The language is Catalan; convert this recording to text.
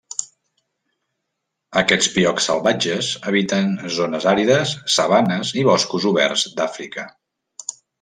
Aquests piocs salvatges habiten zones àrides, sabanes i boscos oberts d'Àfrica.